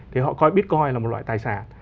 thì họ coi bitcoin là một loại tài sản